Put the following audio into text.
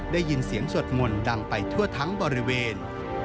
ได้ยินเสียงสวดมนต์ดังไปทั่วทั้งบริเวณ